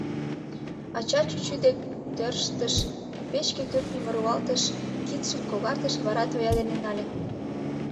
Ача чӱчӱ дек тӧрштыш, печке кӱртньым руалтыш, кидшым когартыш, вара тоя дене нале.